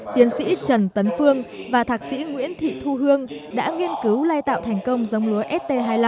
tiến sĩ trần tấn phương và thạc sĩ nguyễn thị thu hương đã nghiên cứu lai tạo thành công giống lúa st hai mươi năm